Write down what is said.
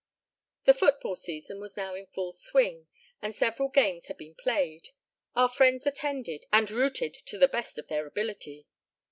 The football season was now in full swing, and several games had been played. Our friends attended, and "rooted" to the best of their ability.